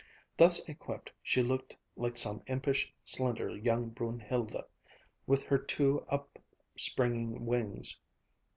Thus equipped, she looked like some impish, slender young Brunhilde, with her two upspringing wings.